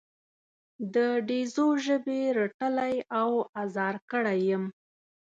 د ډزو ژبې رټلی او ازار کړی یم.